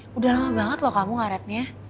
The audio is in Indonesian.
sudah lama banget loh kamu ngaretnya